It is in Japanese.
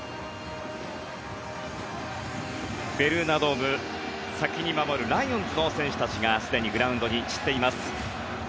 ベルーナドーム先に守るライオンズの選手たちがすでにグラウンドに散っています。